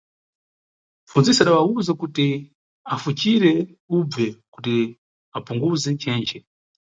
Mʼpfundzisi adawawuza kuti afucire ubve kuti apunguze nchenche.